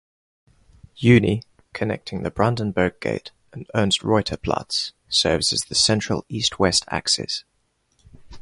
Juni, connecting the Brandenburg Gate and Ernst-Reuter-Platz, serves as the central east-west axis.